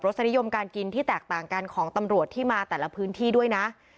สนิยมการกินที่แตกต่างกันของตำรวจที่มาแต่ละพื้นที่ด้วยนะ